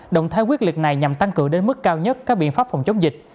động thái quyết liệt này nhằm tăng cường đến mức cao nhất các biện pháp phòng chống dịch